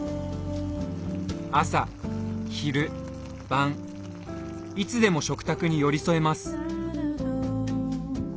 朝昼晩いつでも食卓に寄り添えます。